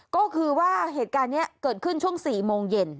ก็คือว่าเหตุการณ์นี้เกิดขึ้นช่วง๔โมงเย็น